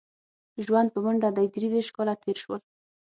ژوند په منډه دی درې دېرش کاله تېر شول.